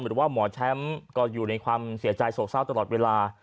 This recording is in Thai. หรือว่าหมอแชมป์ก็อยู่ในความเสียใจโศกเศร้าตลอดเวลา